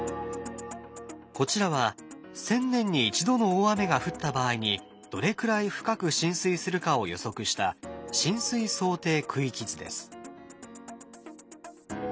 こちらは１，０００年に１度の大雨が降った場合にどれくらい深く浸水するかを予測した浸水想定区域図です。